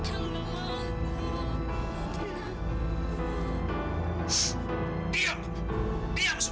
aku bincang dengan aku